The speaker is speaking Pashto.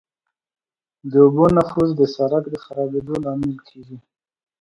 د اوبو نفوذ د سرک د خرابېدو لامل کیږي